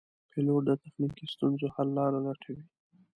پیلوټ د تخنیکي ستونزو حل لاره لټوي.